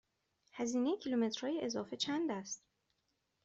هزینه کیلومترهای اضافه چند است؟